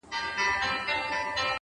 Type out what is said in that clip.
ته دي ټپه په اله زار پيل کړه!